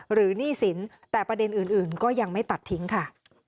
หนี้สินแต่ประเด็นอื่นก็ยังไม่ตัดทิ้งค่ะ